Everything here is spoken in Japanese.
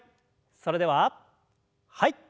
それでははい。